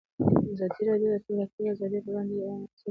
ازادي راډیو د د تګ راتګ ازادي پر وړاندې یوه مباحثه چمتو کړې.